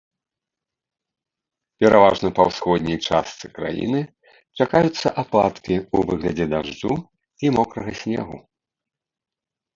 Пераважна па ўсходняй частцы краіны чакаюцца ападкі ў выглядзе дажджу і мокрага снегу.